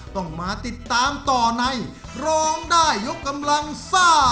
ต้องมาติดตามต่อในร้องได้ยกกำลังซ่า